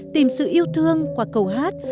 tìm sự yêu thương qua câu hát